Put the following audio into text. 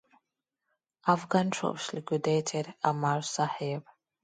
Afghan troops liquidated Ammar Sahib.